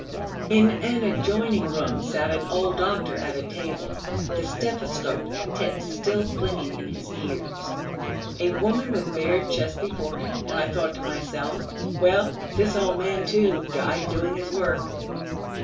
In an adjoining room sat an old doctor at a table, the stethoscope tips still clinging in his ears: a woman with bared chest before him; and I thought to myself: 'Well, this old man, too, died doing his work....'